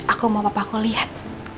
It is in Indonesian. aku mau apa aku lihat